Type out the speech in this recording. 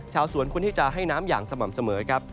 ชาวสวนควรที่จะให้น้ำอย่างสม่ำเสมอครับ